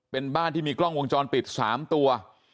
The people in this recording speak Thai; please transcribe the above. เป็นบ้านที่มีกล้องวงจรปิด๓ตัว